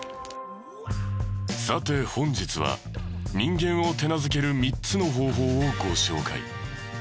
さて本日は人間を手なずける３つの方法をご紹介。